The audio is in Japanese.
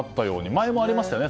前もありましたよね